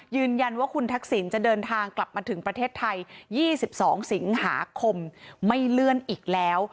ยืนยันว่าคุณทักษิณจะเดินทางกลับมาถึงประเทศไทย๒๒สิงหาคมไม่เลื่อนอีกแล้ว